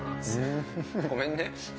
ごめんね。